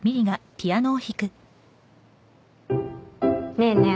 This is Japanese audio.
ねえねえ